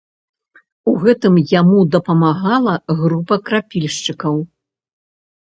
У гэтым яму дапамагала група крапільшчыкаў.